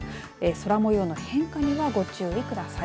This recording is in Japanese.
空模様の変化にはご注意ください。